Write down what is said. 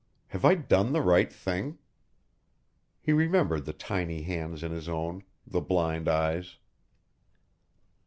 Have I done the right thing?_ He remembered the tiny hands in his own, the blind eyes.